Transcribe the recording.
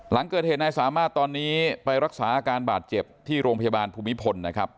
หลังเกิดเหตุนายสามารถตอนนี้ไปรักษาอาการบาดเจ็บที่โรงพยาบาลภูมิพลนะครับ